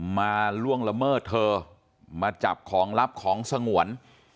ล่วงละเมิดเธอมาจับของลับของสงวน